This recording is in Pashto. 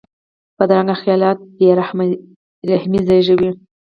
بدرنګه خیالات بې رحمي زېږوي